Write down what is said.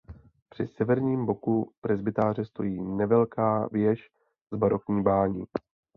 Při severním boku presbytáře stojí nevelká věž s barokní bání.